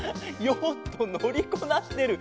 ヨットのりこなしてる。